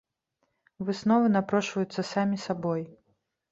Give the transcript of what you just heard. Высновы напрошваюцца самі сабой.